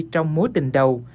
trong mối tình đầu